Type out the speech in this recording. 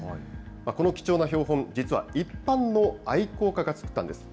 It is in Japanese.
この貴重な標本、実は一般の愛好家が作ったんです。